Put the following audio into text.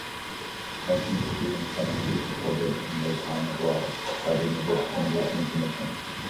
Mentioned students financially supported in their time abroad by the university and European Commission.